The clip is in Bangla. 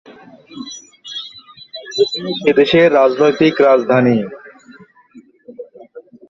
এটি সেদেশের রাজনৈতিক রাজধানী।